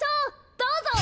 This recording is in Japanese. どうぞ！